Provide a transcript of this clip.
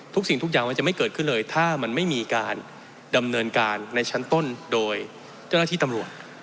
สิ่งทุกอย่างมันจะไม่เกิดขึ้นเลยถ้ามันไม่มีการดำเนินการในชั้นต้นโดยเจ้าหน้าที่ตำรวจ